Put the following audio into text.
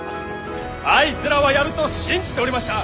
あいつらはやると信じておりました！